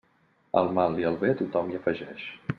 Al mal i al bé, tothom hi afegeix.